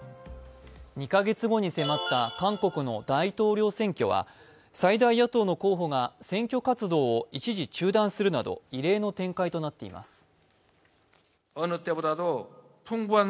２カ月後に迫った韓国の大統領選挙は最大野党の候補が選挙活動を一時、中断するなど異例の展開となっています。